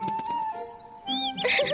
ウフフフ。